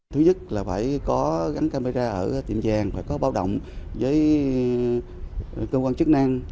thứ nhất là phải có gắn camera ở tiệm giang phải có báo động với công an chức năng